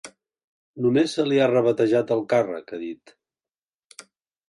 Només se li ha rebatejat el càrrec, ha dit.